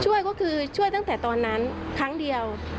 ช่วยก็คือช่วยตั้งแต่ตอนนั้นครั้งเดียว